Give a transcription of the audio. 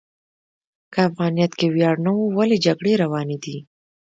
که افغانیت کې ویاړ نه و، ولې جګړې روانې دي؟